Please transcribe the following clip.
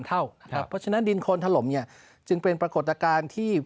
เพราะฉะนั้นดินโคนถล่มเนี่ยจึงเป็นปรากฏการณ์ที่